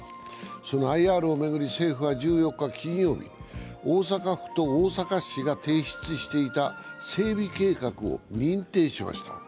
そのＩＲを巡り、政府は１４日金曜日、大阪府と大阪市が提出していた整備計画を認定しました。